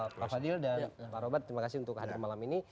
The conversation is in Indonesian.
pak fadil dan pak robert terima kasih untuk hadir ke malam ini